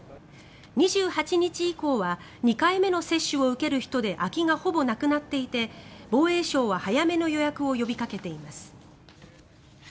２８日以降は２回目の接種を受ける人で空きがほぼなくなっていて防衛省は早めの予約を呼びかけています。